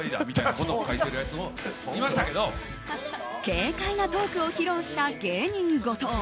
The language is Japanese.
軽快なトークを披露した芸人・後藤。